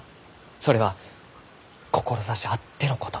それは志あってのこと。